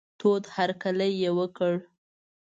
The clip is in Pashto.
تود هرکلی یې وکړ.